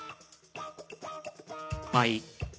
まぁいい。